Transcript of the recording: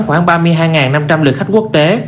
khoảng ba mươi hai năm trăm linh lượt khách quốc tế